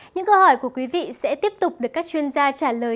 những câu hỏi của quý vị sẽ tiếp tục được các chuyên gia trả lời